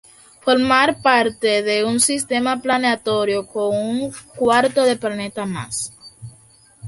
Forma parte de un sistema planetario con cuatro planetas más.